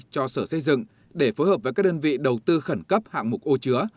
cho sở xây dựng để phối hợp với các đơn vị đầu tư khẩn cấp hạng mục ô chứa